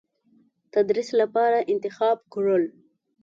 تدریس لپاره انتخاب کړل.